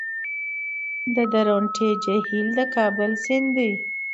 د درونټې جهیل د کابل سیند دی